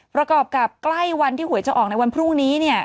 ประกอบกับใกล้วันที่หวยจะออกในวันพรุ่งนี้